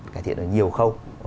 cải thiện được nhiều khâu